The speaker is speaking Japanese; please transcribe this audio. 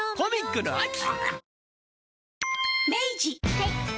はい。